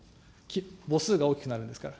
母数が大きくなるんですから。